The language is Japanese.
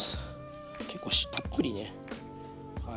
結構たっぷりねはい。